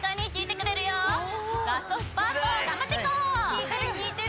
きいてるきいてる！